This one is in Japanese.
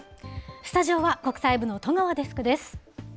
スタジオは国際部の戸川デスクです。